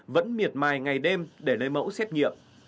vẫn miệt mài ngày đêm để lấy mẫu xét nghiệm